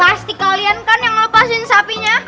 pasti kalian kan yang ngelepasin sapinya